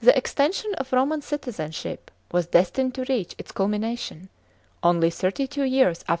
The extension of Roman citizenship was destined to reach its culmina tion, only thirty two years after tt.